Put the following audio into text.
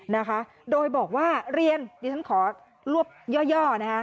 นะคะโดยบอกว่าเรียนดิฉันขอรวบย่อนะคะ